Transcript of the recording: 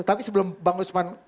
tapi sebelum bang gusman jawab gitu ya